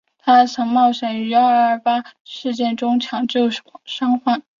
她曾冒险于二二八事件中抢救伤患。